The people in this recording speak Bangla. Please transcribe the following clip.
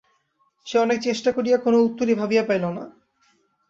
সে অনেক চেষ্টা করিয়া কোনো উত্তরই ভাবিয়া পাইল না।